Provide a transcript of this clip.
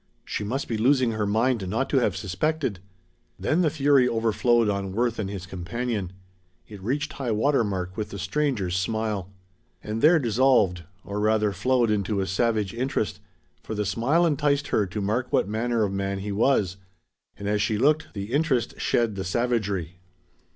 She must be losing her mind not to have suspected! Then the fury overflowed on Worth and his companion. It reached high water mark with the stranger's smile. And there dissolved; or rather, flowed into a savage interest, for the smile enticed her to mark what manner of man he was. And as she looked, the interest shed the savagery.